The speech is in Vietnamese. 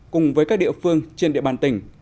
cùng với các địa phương trên địa bàn tỉnh